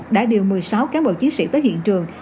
đã điều một mươi sáu cán bộ chiến sĩ tới hiện trường